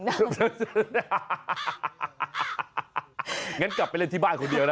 งั้นกลับไปเล่นที่บ้านคนเดียวนะ